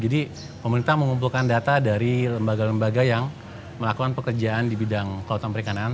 jadi pemerintah mengumpulkan data dari lembaga lembaga yang melakukan pekerjaan di bidang kelautan perikanan